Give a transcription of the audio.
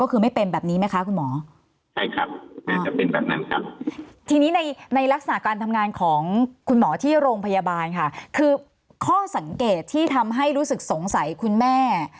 ก็ไม่ทำให้รู้สึกสงสัยคุณแม่